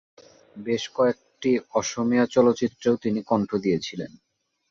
বেশ কয়েকটি অসমীয়া চলচ্চিত্রেও তিনি কণ্ঠ দিয়েছিলেন।